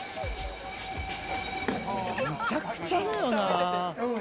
「むちゃくちゃだよな」